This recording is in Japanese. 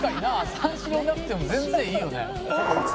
三四郎いなくても全然いいよね」